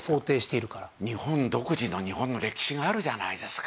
日本独自の日本の歴史があるじゃないですか。